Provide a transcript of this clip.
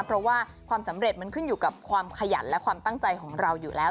เพราะว่าความสำเร็จมันขึ้นอยู่กับความขยันและความตั้งใจของเราอยู่แล้ว